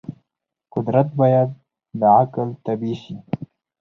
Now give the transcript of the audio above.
قدرت باید د عقل تابع شي.